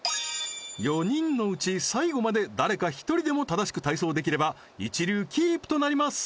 ４人のうち最後まで誰か１人でも正しく体操できれば一流キープとなります